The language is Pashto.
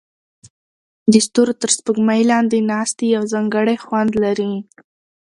د ستورو تر سپوږمۍ لاندې ناستې یو ځانګړی خوند لري.